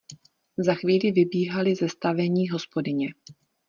Za chvíli vybíhaly ze stavení hospodyně.